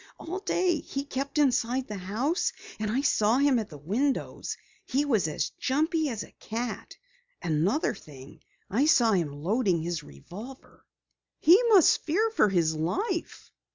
All day he kept inside the house, and I saw him at the windows. He was as jumpy as a cat. Another thing I saw him loading his revolver." "He must fear for his life."